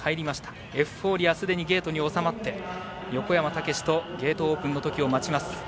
エフフォーリアはゲートに収まって横山武史とゲートオープンの時を待ちます。